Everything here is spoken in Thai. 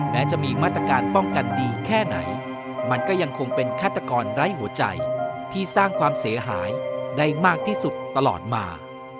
แม้จะมีมาตรการป้องกันดีแค่ไหนมันก็ยังคงเป็นฆาตกรไร้หัวใจที่สร้างความเสียหายได้มากที่สุดตลอดมา